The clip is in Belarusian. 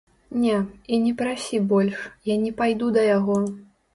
Не, і не прасі больш, я не пайду да яго.